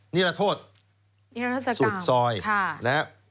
นิรัทธสกรรมสูตรซอย